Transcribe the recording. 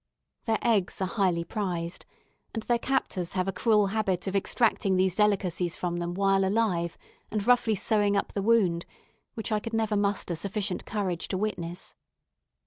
Their eggs are highly prized, and their captors have a cruel habit of extracting these delicacies from them while alive, and roughly sewing up the wound, which I never could muster sufficient courage to witness.